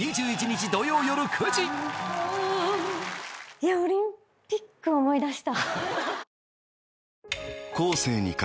いやオリンピック思い出した。